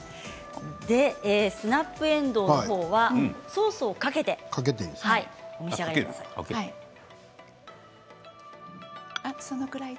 スナップえんどうのほうはソースをかけてお召し上がりください。